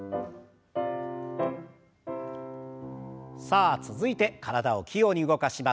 さあ続いて体を器用に動かします。